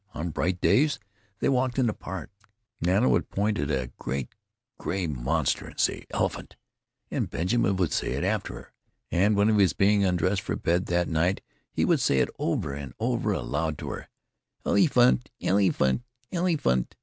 On bright days they walked in the park; Nana would point at a great gray monster and say "elephant," and Benjamin would say it after her, and when he was being undressed for bed that night he would say it over and over aloud to her: "Elyphant, elyphant, elyphant."